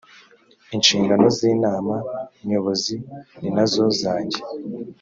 inshingano z inama nyobozi ninazo zanjye.